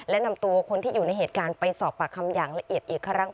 และนำตัวคนที่อยู่ในเหตุการณ์ไปสอบปากคำอย่างละเอียดอีกครั้ง